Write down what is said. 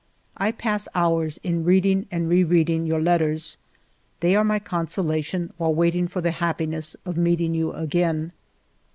" I pass hours in reading and re reading your letters ; they are my consolation while waiting for the happiness of meeting you again.